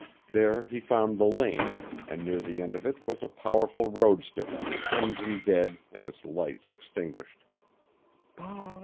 There he found the lane, and near the end of it was a powerful roadster, its engine dead and its lights extinguished.